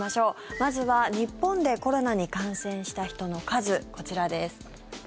まずは日本でコロナに感染した人の数こちらです。